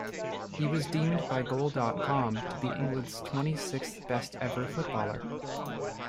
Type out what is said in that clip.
He was deemed by Goal dot com to be England's twenty-sixth best ever footballer.